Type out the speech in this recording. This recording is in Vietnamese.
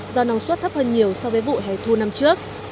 do năng suất thấp hơn nhiều so với vụ hẻ thu năm trước